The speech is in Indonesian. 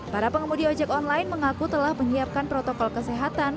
para pengemudi ojek online mengaku telah menyiapkan protokol kesehatan